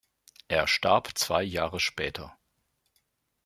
Er starb zwei Jahre später.